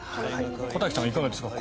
小瀧さんはいかがですか。